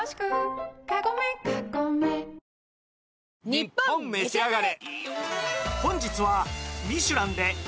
『ニッポンめしあがれ』。